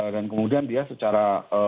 dan kemudian dia secara